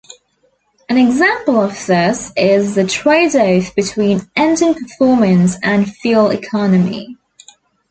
An example of this is the trade-off between engine performance and fuel economy.